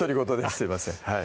すいません